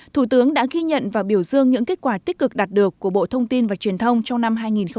thủ tướng đã ghi nhận và biểu dương những kết quả tích cực đạt được của bộ thông tin và truyền thông trong năm hai nghìn một mươi chín